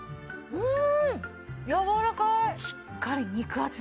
うん。